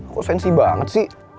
kok sensi banget sih